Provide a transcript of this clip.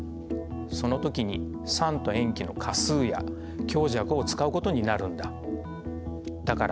その時に酸と塩基の価数や強弱を使うことになるんだ。